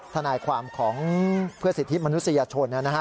ทนายความของเพื่อสิทธิมนุษยชน